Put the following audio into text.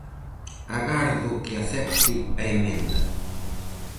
Agardo que acepte a emenda.